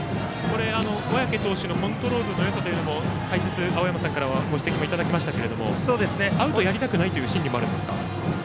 小宅投手のコントロールのよさも解説、青山さんからご指摘いただきましたがアウトをやりたくないという心理もあるんですか？